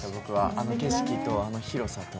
あの景色とあの広さと。